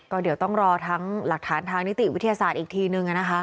ก็เดี๋ยวต้องรอทั้งหลักฐานทางนิติวิทยาศาสตร์อีกทีนึงนะคะ